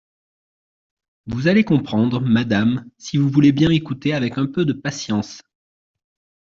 Vous allez comprendre, madame, si vous voulez bien m'écouter avec un peu de patience.